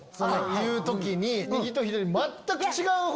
言う時に右と左。